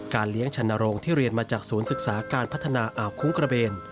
เลี้ยงชนโรงที่เรียนมาจากศูนย์ศึกษาการพัฒนาอ่าวคุ้งกระเบน